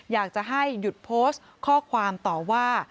อยากจะให้หยุดโพสต์ข้อความต่อว่า